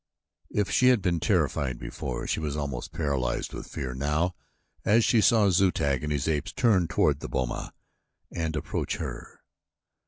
If she had been terrified before she was almost paralyzed with fear now as she saw Zu tag and his apes turn toward the boma and approach her.